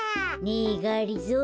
ねえがりぞー。